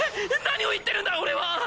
何を言ってるんだ俺は！